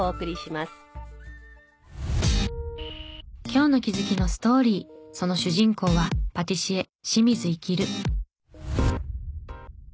今日の気づきのストーリーその主人公はパティシエ清水活。